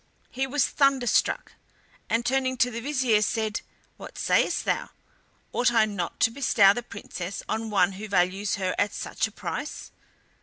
He was thunderstruck, and turning to the vizier, said: "What sayest thou? Ought I not to bestow the Princess on one who values her at such a price?"